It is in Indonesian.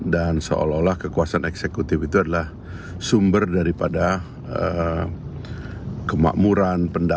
dan seolah olah kekuasaan eksekutif itu adalah sumber daripada kemakmuran pendatang